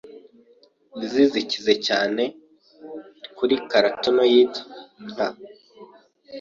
Izi zikize cyane kuri carotenoids nka